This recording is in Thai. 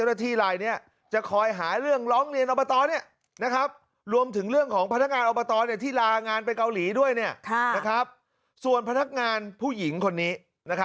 พอเสียชีวิตปั๊บก็จะได้เงินตอบแทน